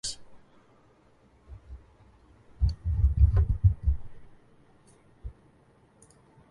Not until later in the tour did "Thunder Road" make full-band appearances.